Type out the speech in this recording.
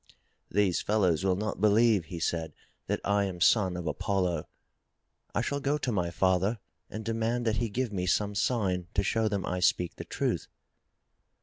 "These fellows will not believe," he said, "that I am son of Apollo. I shall go to my father and demand that he give me some sign to show them I speak the truth."